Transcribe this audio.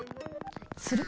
する？